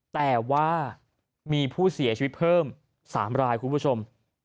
แต่ว่ามีผู้เสียชีวิตเพิ่ม๓รายคุณผู้ชม